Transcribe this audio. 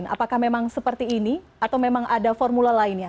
apakah memang seperti ini atau memang ada formula lainnya